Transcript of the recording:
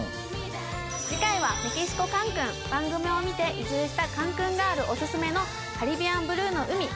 次回はメキシコカンクン番組を見て移住したカンクンガールおすすめのカリビアンブルーの海